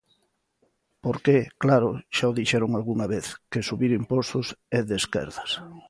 Porque, claro, xa o dixeron algunha vez, que subir impostos é de esquerdas.